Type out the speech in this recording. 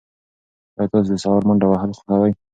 ایا تاسي د سهار منډه وهل خوښوئ؟